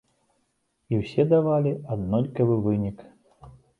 І ўсе давалі аднолькавы вынік.